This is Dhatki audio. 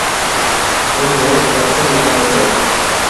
هون روز پرفيوم لگائون تو.